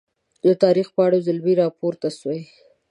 د تاریخ پاڼو زلمي راپورته سوي